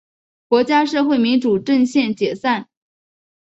国家社会民主阵线解散。